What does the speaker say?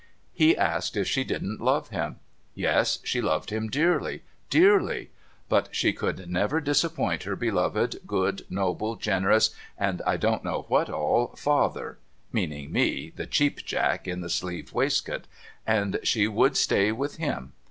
He asked if she didn't love him. Yes, she loved him dearly, dearly ; but she could never disappoint her beloved, good, noble, generous, and I don't know what all father (meaning me, the Cheap Jack in the sleeved waistcoat), and she would stay with him.